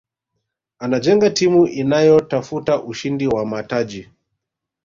anajenga timu inayotafuta ushinda wa mataji